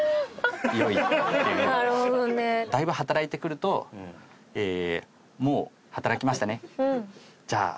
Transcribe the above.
だいぶ働いてくるともう働きましたね。